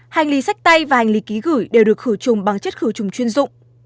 hành ly sách tay và hành ly ký gửi đều được khử trùng bằng chất khử trùng chuyên dụng